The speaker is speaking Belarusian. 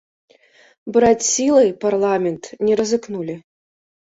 Браць сілай парламент не рызыкнулі.